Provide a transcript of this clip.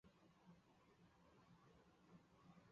他去世后被葬于腓特烈斯贝的。